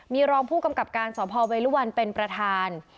มีรองผู้กำกับการสพเวรุวันเป็นประธาน